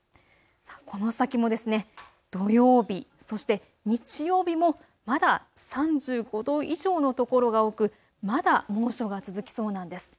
この先も土曜日、そして日曜日もまだ３５度以上の所が多くまだ猛暑が続きそうなんです。